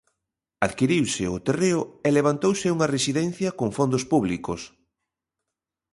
Adquiriuse o terreo e levantouse unha residencia con fondos públicos.